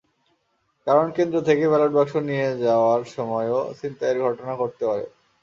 কারণ, কেন্দ্র থেকে ব্যালট বাক্স নিয়ে যাওয়ার সময়ও ছিনতাইয়ের ঘটনা ঘটতে পারে।